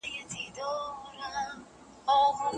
موږ د انټرنیټ له لارې بېلابېل نظرونه تبادله کوو.